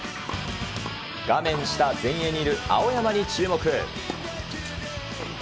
画面下、前衛にいる青山に注目。